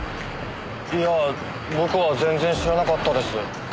いやあ僕は全然知らなかったです。